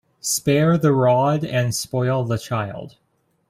Spare the rod and spoil the child.